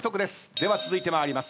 では続いて参ります。